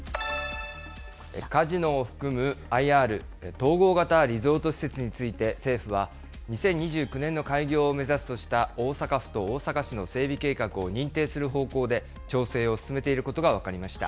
カジノを含むＩＲ・統合型リゾート施設について政府は、２０２９年の開業を目指すとした大阪府と大阪市の整備計画を認定する方向で、調整を進めていることが分かりました。